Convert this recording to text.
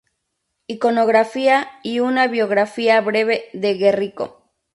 Iconografía" y una "Biografía breve de Guerrico".